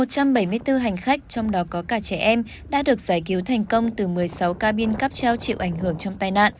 một trăm bảy mươi bốn hành khách trong đó có cả trẻ em đã được giải cứu thành công từ một mươi sáu cabin cắp treo chịu ảnh hưởng trong tai nạn